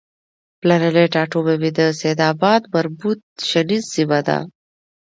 پلرنی ټاټوبی مې د سیدآباد مربوط شنیز سیمه ده